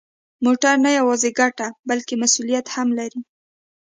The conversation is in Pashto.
موټر نه یوازې ګټه، بلکه مسؤلیت هم لري.